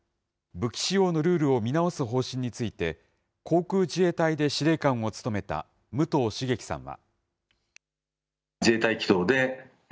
武器使用のルールを見直す方針について航空自衛隊で司令官を務めた武藤茂樹さんは。